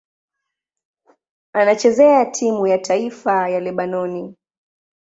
Anachezea timu ya taifa ya Lebanoni.